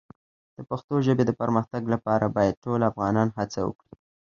د پښتو ژبې د پرمختګ لپاره باید ټول افغانان هڅه وکړي.